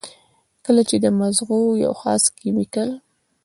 کله چې د مزغو د يو خاص کېميکل